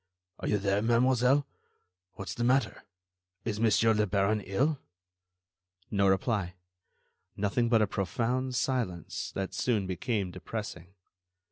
"Are you there, mademoiselle? What's the matter? Is Monsieur le Baron ill?" No reply. Nothing but a profound silence that soon became depressing.